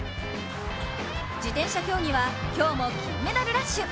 自転車競技は今日も金メダルラッシュ。